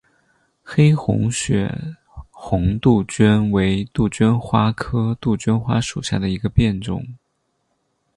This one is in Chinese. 黑红血红杜鹃为杜鹃花科杜鹃花属下的一个变种。